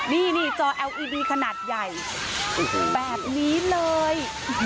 นี่จอเอลอีดีขนาดใหญ่แบบนี้เลย